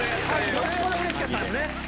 それはうれしかったんやね。